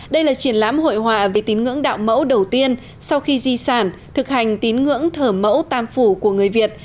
đây là triển lãm hội họa về tín ngưỡng đạo mẫu đầu tiên sau khi di sản thực hành tín ngưỡng thờ mẫu tam phủ của người việt